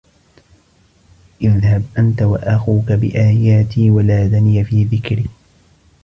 اذهب أنت وأخوك بآياتي ولا تنيا في ذكري